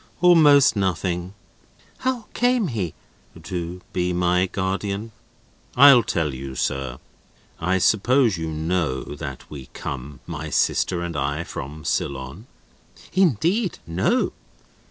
"Almost nothing!" "How came he—" "To be my guardian? I'll tell you, sir. I suppose you know that we come (my sister and I) from Ceylon?" "Indeed, no."